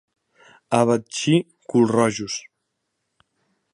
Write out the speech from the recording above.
A Betxí, culrojos.